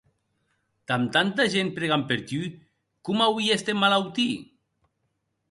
Damb tanta gent pregant per tu, coma auies d'emmalautir?